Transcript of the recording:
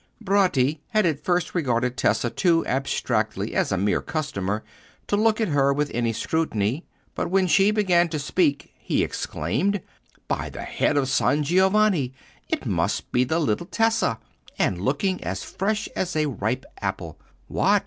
Bratti had at first regarded Tessa too abstractedly as a mere customer to look at her with any scrutiny, but when she began to speak he exclaimed, "By the head of San Giovanni, it must be the little Tessa, and looking as fresh as a ripe apple! What!